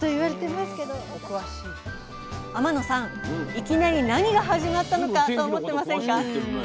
いきなり何が始まったのかと思ってませんか？